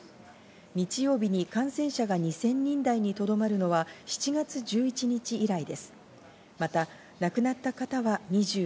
日曜日に感染者が２０００人台にとどまるのは７月１１日以来です。